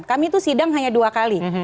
kami itu sidang hanya dua kali